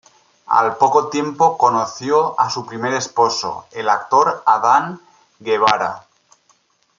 Al poco tiempo conoció a su primer esposo, el actor Adán Guevara.